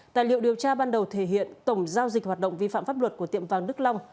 tài liệu điều tra ban đầu thể hiện tổng giao dịch hoạt động vi phạm pháp luật của tiệm vàng đức long